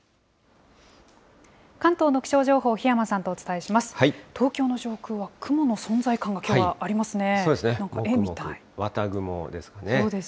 関東の気象情報、檜山さんとお伝えします。